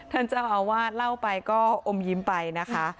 ท่านเจ้าอาวาสเล่าไปก็อมยิ้มไปนะคะ